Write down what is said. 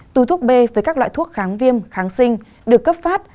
túi thuốc b với các loại thuốc kháng viêm kháng sinh được cấp phát